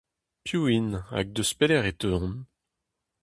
Piv int, hag eus pelec’h e teuont ?